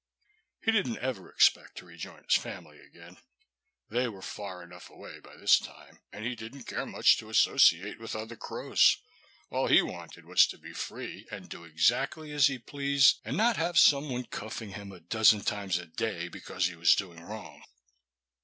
He didn't ever expect to rejoin his family again. They were far enough away by this time. And he didn't care much to associate with other crows. All he wanted was to be free, and do exactly as he pleased, and not have some one cuffing him a dozen times a day because he was doing wrong.